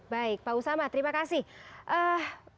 baik pak usama terima kasih